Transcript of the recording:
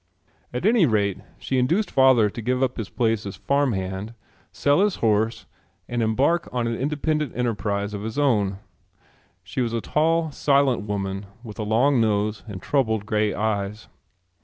At any rate she induced father to give up his place as a farm hand, sell his horse and embark on an independent enterprise of his own. She was a tall silent woman with a long nose and troubled grey eyes.